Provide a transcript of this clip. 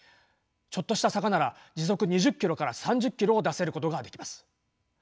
ちょっとした坂なら時速２０ｋｍから３０ｋｍを出せることができます。